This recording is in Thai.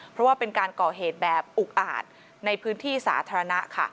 เพราะว่าเป็นการก่อเหตุแบบอุกอาจในพื้นที่สาธารณะค่ะ